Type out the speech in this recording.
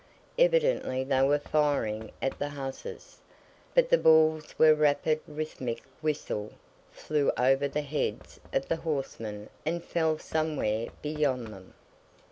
Evidently they were firing at the hussars, but the balls with rapid rhythmic whistle flew over the heads of the horsemen and fell somewhere beyond them.